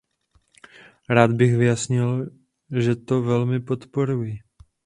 Rád bych vyjasnil, že to velmi podporuji.